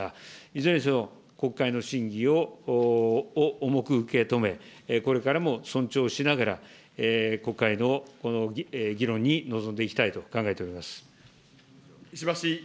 いずれにせよ、国会の審議を重く受け止め、これからも尊重しながら、国会の議論に臨んでいきたいと考えております。